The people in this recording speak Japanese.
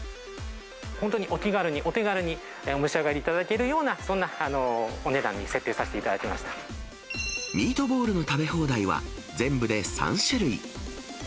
本当にお気軽に、お手軽にお召し上がりいただけるような、そんなお値段に設定させていただミートボールの食べ放題は全部で３種類。